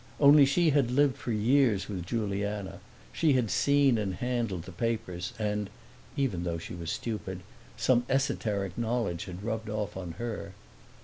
Only she had lived for years with Juliana, she had seen and handled the papers and (even though she was stupid) some esoteric knowledge had rubbed off on her.